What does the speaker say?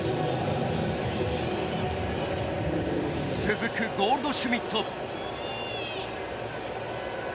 続くゴールドシュミット。